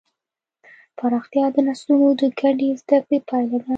پراختیا د نسلونو د ګډې زدهکړې پایله ده.